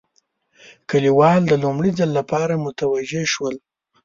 کلیوال د لومړي ځل لپاره متوجه شول.